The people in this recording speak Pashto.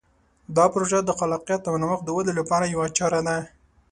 دا پروژه د خلاقیت او نوښت د ودې لپاره یوه چاره ده.